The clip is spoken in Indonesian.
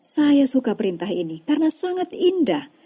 saya suka perintah ini karena sangat indah